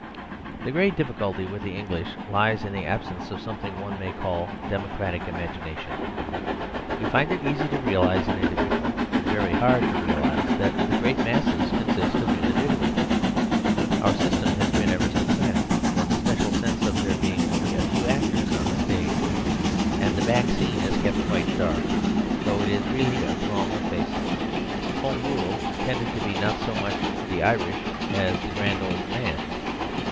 The great difficulty with the English lies in the absence of something one may call democratic imagination. We find it easy to realise an individual, but very hard to realise that the great masses consist of individuals. Our system has been aristocratic: in the special sense of there being only a few actors on the stage. And the back scene is kept quite dark, though it is really a throng of faces. Home Rule tended to be not so much the Irish as the Grand Old Man.